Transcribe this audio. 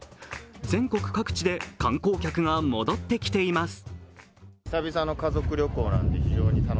全国各地で観光客が戻ってきています。